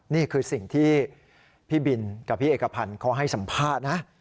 นี่คือสิ่งที่พี่บินกับพี่เอกพันธ์เขาให้สัมภาษณ์นะ